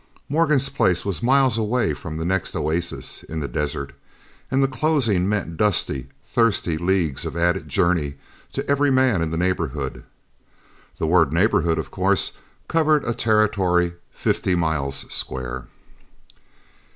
Morgan's place was miles away from the next oasis in the desert and the closing meant dusty, thirsty leagues of added journey to every man in the neighbourhood. The word "neighbourhood," of course, covered a territory fifty miles square.